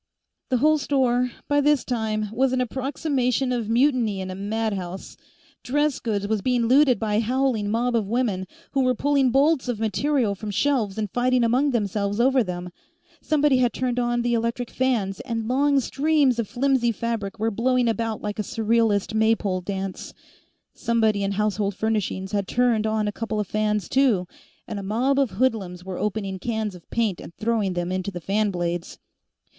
The whole store, by this time, was an approximation of Mutiny in a Madhouse. Dressgoods was being looted by a howling mob of women, who were pulling bolts of material from shelves and fighting among themselves over them. Somebody had turned on the electric fans, and long streams of flimsy fabric were blowing about like a surrealist maypole dance. Somebody in Household Furnishings had turned on a couple of fans, too, and a mob of hoodlums were opening cans of paint and throwing them into the fan blades.